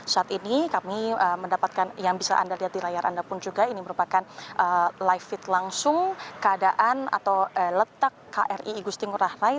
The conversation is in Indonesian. saat ini kami mendapatkan yang bisa anda lihat di layar anda pun juga ini merupakan live feed langsung keadaan atau letak kri igusti ngurah rai